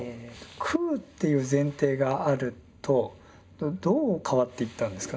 空っていう前提があるとどう変わっていったんですか？